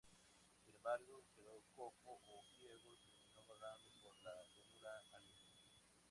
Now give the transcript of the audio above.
Sin embargo, quedó cojo o ciego y terminó vagando por la llanura Aleya.